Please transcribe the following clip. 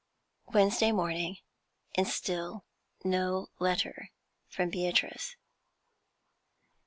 Wednesday morning, and still no letter from Beatrice.